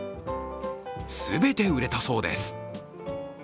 全て売れたそうです。